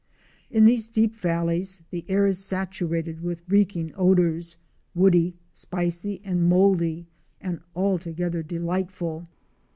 In these deep valleys the air is saturated with reeking odors — woody, spicy and mouldy and altogether delightful.